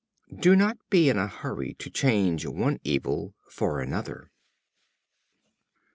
Do not be in a hurry to change one evil for another.